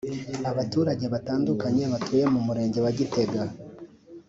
Abaturage batandukanye batuye mu Murenge wa Gitega